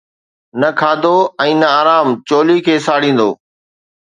نه کاڌو ۽ نه آرام چولي کي ساڙيندو.